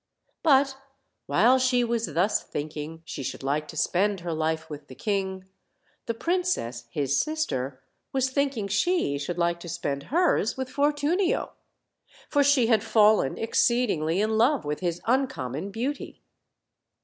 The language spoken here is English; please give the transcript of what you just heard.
But while she was thus thinking she should like tospencl her life with the king, the princess, his sister, was think ing she should like to spend hers with Fortunio; for she had fallen exceedingly in love with his uncommon beauty.